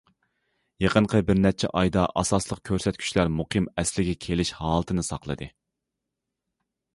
يېقىنقى بىر نەچچە ئايدا ئاساسلىق كۆرسەتكۈچلەر مۇقىم ئەسلىگە كېلىش ھالىتىنى ساقلىدى.